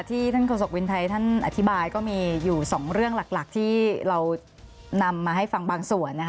ที่ท่านโฆษกวินไทยท่านอธิบายก็มีอยู่สองเรื่องหลักที่เรานำมาให้ฟังบางส่วนนะคะ